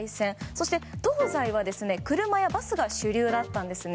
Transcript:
そして、東西は車やバスが主流だったんですね。